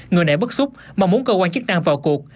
người nãy bất xúc mong muốn cơ quan chức năng vào cuộc